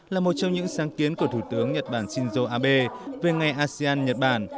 là một trong những sáng kiến của thủ tướng nhật bản shinzo abe về ngày asean nhật bản